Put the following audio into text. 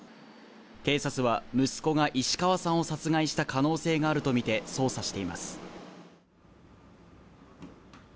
警察は息子が石川さんを殺害した可能性があるとみて捜査しています